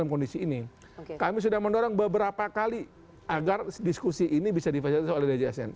kami sudah mendorong beberapa kali agar diskusi ini bisa difasilitasi oleh djsn